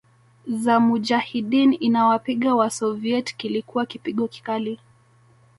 za Mujahideen inawapiga Wasoviet Kilikuwa kipigo kikali